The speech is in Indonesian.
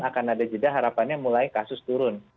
akan ada jeda harapannya mulai kasus turun